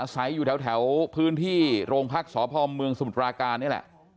อยู่แถวพื้นที่โรงพักษพเมืองสมุทรปราการนี่แหละ